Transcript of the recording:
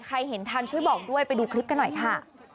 เห็นทันช่วยบอกด้วยไปดูคลิปกันหน่อยค่ะ